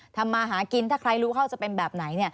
ทำมาหากินถ้าใครรู้เข้าจะเป็นแบบไหน